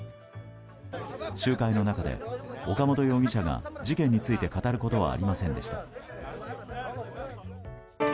集会の中で岡本容疑者が事件について語ることはありませんでした。